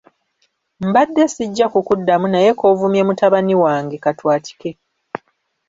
Mbadde sijja kukuddamu naye k'ovumye mutabani wange katwatike.